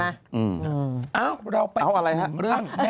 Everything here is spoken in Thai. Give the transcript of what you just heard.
อ้าวเราไปกินเรื่องแม่มะนี